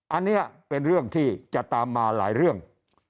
อันนี้เป็นเรื่องที่จะตามมาหลายเรื่อง